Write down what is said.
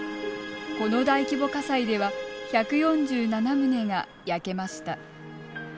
この大規模火災では１４７棟が焼けました。